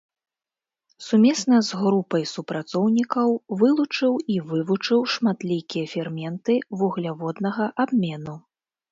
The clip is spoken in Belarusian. Сумесна з групай супрацоўнікаў вылучыў і вывучыў шматлікія ферменты вугляводнага абмену.